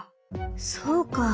そうか。